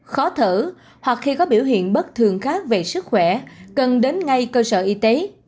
khó thở hoặc khi có biểu hiện bất thường khác về sức khỏe cần đến ngay cơ sở y tế